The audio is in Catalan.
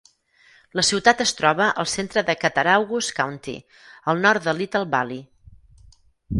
La ciutat es troba al centre de Cattaraugus County, al nord de Little Valley.